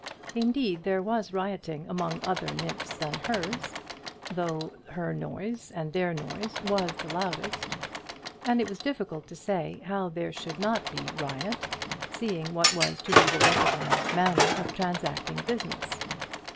Indeed there was rioting among other nymphs than hers, though her noise and their noise was the loudest; and it was difficult to say how there should not be riot, seeing what was to be the recognised manner of transacting business.